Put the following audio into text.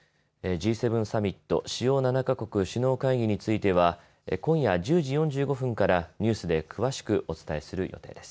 Ｇ７サミット・主要７か国首脳会議については今夜１０時４５分からニュースで詳しくお伝えする予定です。